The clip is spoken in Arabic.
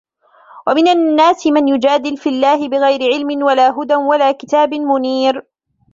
ومن الناس من يجادل في الله بغير علم ولا هدى ولا كتاب منير